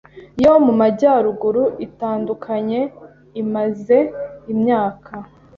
yo mumajyaruguru itandukanye imaze imyaka